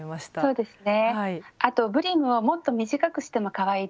そうですね